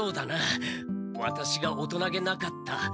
ワタシがおとなげなかった。